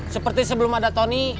seperti sebelum ada tony